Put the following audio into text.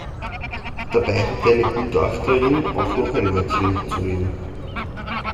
Dabei hat deine Gutachterin auch noch ein Wörtchen mitzureden.